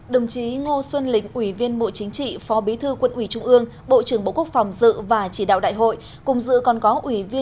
đồng chí ngô xuân lính ủy viên bộ chính trị phó bí thư quân ủy trung ương bộ trưởng bộ quốc phòng dự và chỉ đạo đại hội